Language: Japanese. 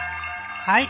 はい！